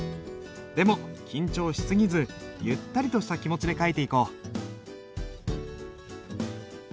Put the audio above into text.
でも緊張し過ぎずゆったりとした気持ちで書いていこう。